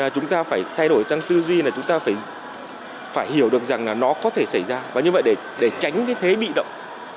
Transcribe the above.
chúng ta phải thay đổi sang tư duy là chúng ta phải hiểu được rằng là nó có thể xảy ra và như vậy để tránh cái thế bị động